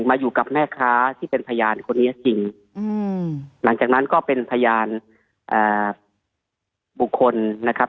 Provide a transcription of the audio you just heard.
มาอยู่กับแม่ค้าที่เป็นพยานคนนี้จริงหลังจากนั้นก็เป็นพยานบุคคลนะครับ